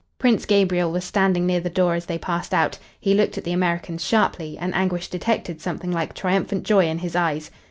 Prince Gabriel was standing near the door as they passed out. He looked at the Americans sharply, and Anguish detected something like triumphant joy in his eyes.